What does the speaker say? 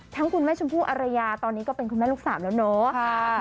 คุณแม่ชมพู่อารยาตอนนี้ก็เป็นคุณแม่ลูกสามแล้วเนาะ